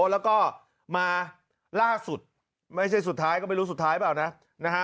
แล้วก็มาล่าสุดไม่ใช่สุดท้ายก็ไม่รู้สุดท้ายเปล่านะนะฮะ